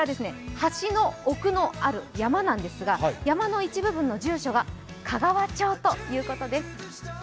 橋の奥のある山なんですが山の一部分の住所が香川町ということです。